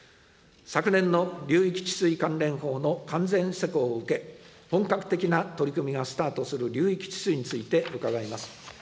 昨年の流域治水関連法の完全施行を受け、本格的な取り組みがスタートする流域治水について伺います。